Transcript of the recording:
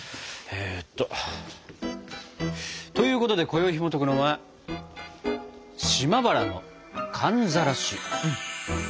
えっと。ということでこよいひもとくのは「島原の寒ざらし」。